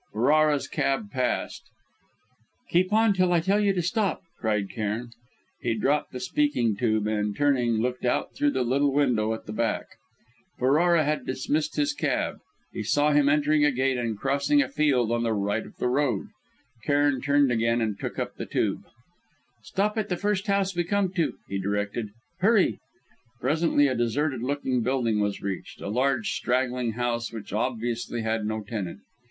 Ferrara's cab passed: "Keep on till I tell you to stop!" cried Cairn. He dropped the speaking tube, and, turning, looked out through the little window at the back. Ferrara had dismissed his cab; he saw him entering a gate and crossing a field on the right of the road. Cairn turned again and took up the tube. "Stop at the first house we come to!" he directed. "Hurry!" Presently a deserted looking building was reached, a large straggling house which obviously had no tenant.